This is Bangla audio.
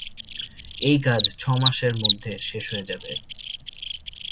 এই কাজ ছ’মাসের মধ্যে শেষ হয়ে যাবে।